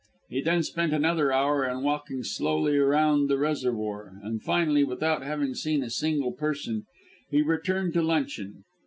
He then spent another hour in walking slowly round the reservoir, and finally, without having seen a single person, he returned to luncheon.